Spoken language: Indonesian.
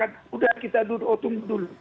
dan sudah kita duduk duduk dulu